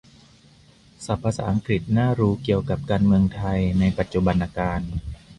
"ศัพท์ภาษาอังกฤษน่ารู้เกี่ยวกับการเมืองไทยในปัจจุบันกาล"